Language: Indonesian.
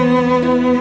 suara kamu indah sekali